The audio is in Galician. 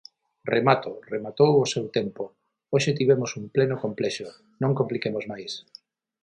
Remato, rematou o seu tempo, hoxe tivemos un Pleno complexo, non compliquemos máis.